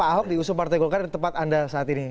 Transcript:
pak ahok diusung partai golkar di tempat anda saat ini